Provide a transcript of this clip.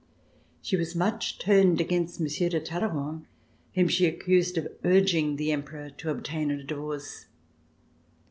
She was much turned against Monsieur de Talleyrand, whom she accused of urging the Emperor to obtain a divorce.